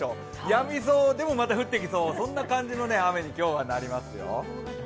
やみそうでも降ってきそうな感じそんな感じの雨に今日はなりますよ。